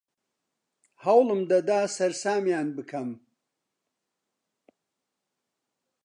هەوڵم دەدا سەرسامیان بکەم.